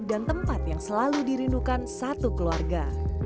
tempat yang selalu dirindukan satu keluarga